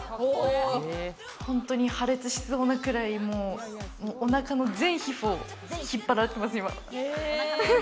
本当に破裂しそうなくらいお腹の全皮膚を引っ張られてます、今。